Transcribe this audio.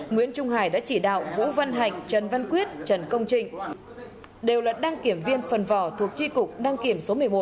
nguyễn trung hải đã chỉ đạo vũ văn hạnh trần văn quyết trần công trịnh đều là đăng kiểm viên phần vỏ thuộc tri cục đăng kiểm số một mươi một